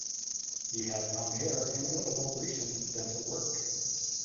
He had brown hair and notable recent dental work.